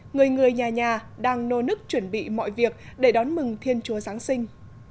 người người nhà nhà đang nô nức chuẩn bị mọi việc để đón mừng thiên chúa giáng sinh